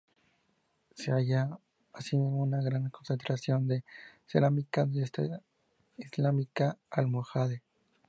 Se halló asimismo una gran concentración de cerámica de etapa Islámica Almohade.